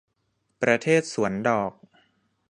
ประเทศสวนดอก